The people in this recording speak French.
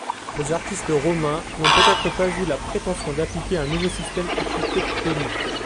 Les artistes romains n'ont peut-être pas eu la prétention d'appliquer un nouveau système architectonique.